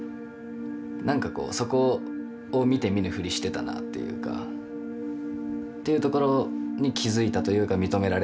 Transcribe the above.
何かこうそこを見て見ぬふりしてたなっていうかっていうところに気付いたというか認められたみたいな。